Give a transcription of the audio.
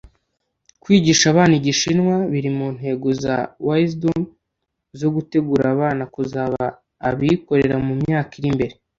kwigisha abana igishinwa biri mu ntego za Wisdom zo gutegura abana kuzaba abikorera mu myaka iri imbere